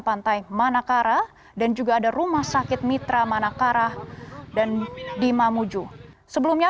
pantai manakara dan juga ada rumah sakit mitra manakara dan di mamuju sebelumnya